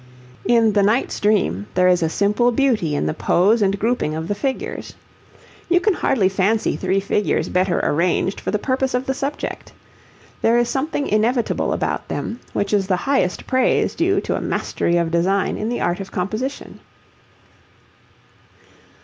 In the 'Knight's Dream' there is a simple beauty in the pose and grouping of the figures. You can hardly fancy three figures better arranged for the purpose of the subject. There is something inevitable about them, which is the highest praise due to a mastery of design in the art of composition.